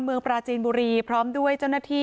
ปราจีนบุรีพร้อมด้วยเจ้าหน้าที่